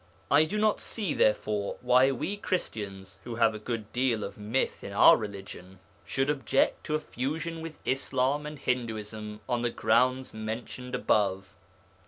I do not see, therefore, why we Christians (who have a good deal of myth in our religion) should object to a fusion with Islam and Hinduism on the grounds mentioned above.